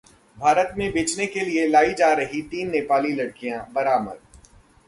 भारत में बेचने के लिए लाई जा रही तीन नेपाली लड़कियां बरामद